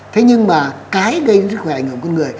thế nhưng mà cái gây sức khỏe ảnh hưởng con người